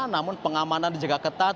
namun pengamanan dijaga ketat